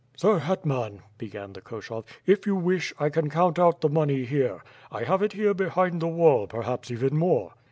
"Sir hetman," began the Koshov, "if you wish, I can count out the monc v here. I have it here behind the wall, perhaps even more."